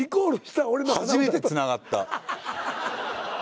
初めてつながった。